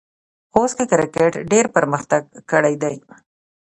خوست کې کرکټ ډېر پرمختګ کړی دی.